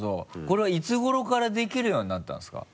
これはいつ頃からできるようになったんですか？